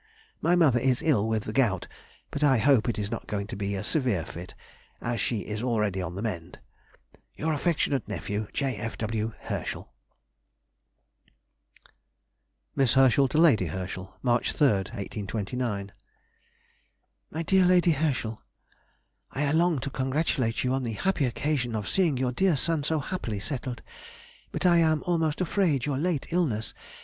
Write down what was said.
My mother is ill with the gout, but I hope it is not going to be a severe fit, as she is already on the mend. Your affectionate nephew, J. F. W. HERSCHEL. [Sidenote: 1829. On her Nephew's marriage.] MISS HERSCHEL TO LADY HERSCHEL. March 3, 1829. MY DEAR LADY HERSCHEL,— I long to congratulate you on the happy occasion of seeing your dear son so happily settled, but am almost afraid your late illness